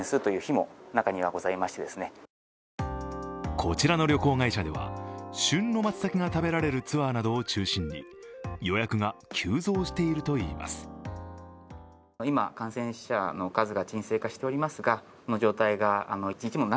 こちらの旅行会社では、旬のまつたけが食べられるツアーなどを中心に予約が急増しているといいます。